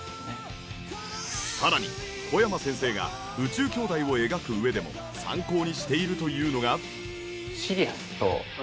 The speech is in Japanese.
さらに小山先生が『宇宙兄弟』を描く上でも参考にしているというのが。